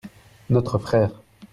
notre frère.